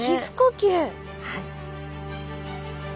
はい。